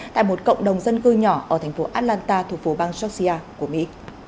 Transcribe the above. tại một cộng đồng dân cư nhỏ ở thành phố atlanta thủ phố bang georgia của mỹ